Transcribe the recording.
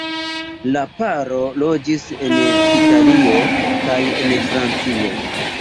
La paro loĝis en Italio kaj en Francio.